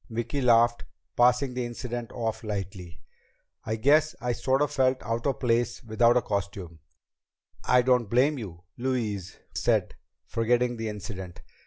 Vicki laughed, passing the incident off lightly. "I guess I sort of felt out of place without a costume." "I don't blame you," Louise said, forgetting the incident.